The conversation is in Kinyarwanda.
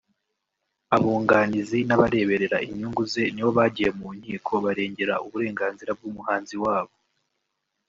abunganizi n’abareberera inyungu ze ni bo bagiye mu nkiko barengera uburenganzira bw’umuhanzi wabo